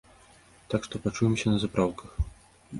Так што пачуемся на запраўках!